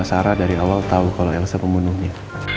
sarah dari awal tahu kalau elsa pembunuhnya